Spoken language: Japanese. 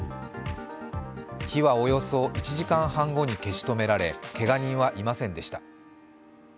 火はおよそ１時間半後に消し止められ、けが人はいませんでした。